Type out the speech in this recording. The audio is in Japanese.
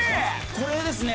これですね。